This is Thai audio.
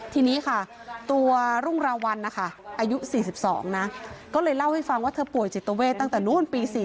ทีนี้ค่ะตัวรุ่งราวัลนะคะอายุ๔๒นะก็เลยเล่าให้ฟังว่าเธอป่วยจิตเวทตั้งแต่นู้นปี๔๔